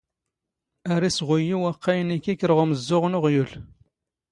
ⴰⵔ ⵉⵙⵖⵓⵢⵢⵓ ⵡⴰⵇⵇⴰⵢ ⵏ ⵉⴽⵉⴽⵔ ⴳ ⵓⵎⵥⵥⵓⵖ ⵏ ⵓⵖⵢⵓⵍ.